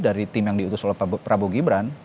dari tim yang diutus oleh prabowo gibran